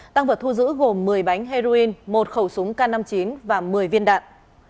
tăng vật thu giữ gồm một mươi bánh heroin một khẩu súng k năm mươi chín và một mươi viên đạn